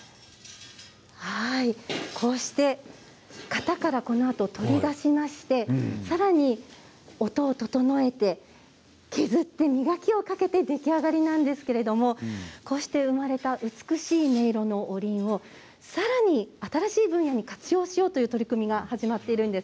こうして型からこのあと取り出しましてさらに音を整えて削って磨きをかけて出来上がりなんですけれどこうして生まれた美しい音色のおりんをさらに、新しい分野に活用しようという取り組みが始まっています。